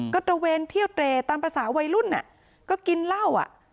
ก็ตระเวนเที่ยวเตรตามภาษาวัยรุ่นก็กินเหล้าอ่ะ